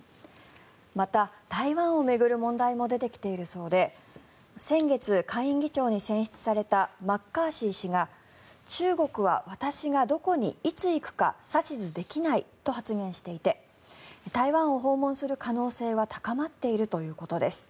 また、台湾を巡る問題も出てきているそうで先月、下院議長に選出されたマッカーシー氏が中国は、私がどこにいつ行くか指図できないと発言していて台湾を訪問する可能性は高まっているということです。